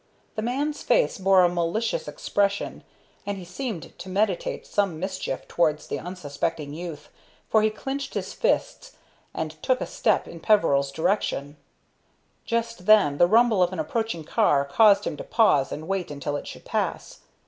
The man's face bore a malicious expression, and he seemed to meditate some mischief towards the unsuspecting youth, for he clinched his fists and took a step in Peveril's direction. Just then the rumble of an approaching car caused him to pause and wait until it should pass.